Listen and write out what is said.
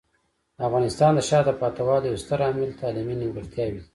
د افغانستان د شاته پاتې والي یو ستر عامل تعلیمي نیمګړتیاوې دي.